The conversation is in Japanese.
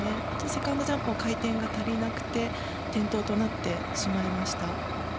セカンドジャンプも回転が足りなくて転倒となってしまいました。